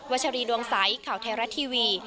ชรีดวงใสข่าวไทยรัฐทีวี